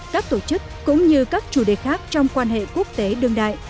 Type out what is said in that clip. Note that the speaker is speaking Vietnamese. các tổ chức cũng như các chủ đề khác trong quan hệ quốc tế đương đại